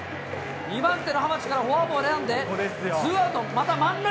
２番手のはまちからフォアボールを選んで、ツーアウト、また満塁。